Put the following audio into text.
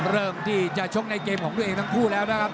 เริ่มที่จะชกในเกมของตัวเองทั้งคู่แล้วนะครับ